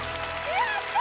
やった！